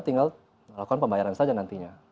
tinggal lakukan pembayaran saja nantinya